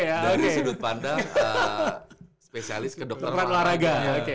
dari sudut pandang spesialis ke dokter warga